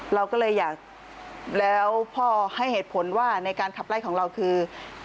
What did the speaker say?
เราก็เลยอยากแล้วพ่อให้เหตุผลว่าในการขับไล่ของเราคือ